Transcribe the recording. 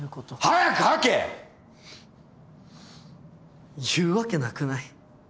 早く吐け！言うわけなくない？